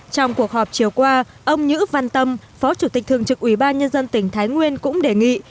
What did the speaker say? trong cuộc họp chiều qua ông nhữ văn tâm phó chủ tịch thường trực ủy ban nhân dân tỉnh thái nguyên cũng đề nghị